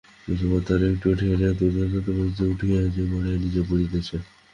যতবার তাহারা একটু ঠেলিয়া তুলিতেছে, ততবারই উহা গড়াইয়া নীচে পড়িতেছে।